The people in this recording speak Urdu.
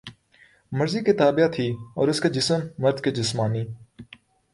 مرضی کے تابع تھی اور اس کا جسم مرد کے جسمانی